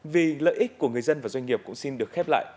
vì lợi ích của người dân và doanh nghiệp cũng xin được khép lại